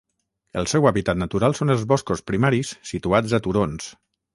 El seu hàbitat natural són els boscos primaris situats a turons.